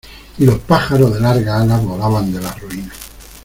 y los pájaros de largas alas volaban de las ruinas.